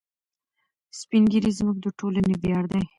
سپین ږیري زموږ د ټولنې ویاړ دي.